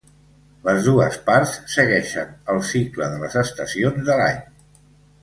Les dues parts segueixen el cicle de les estacions de l'any.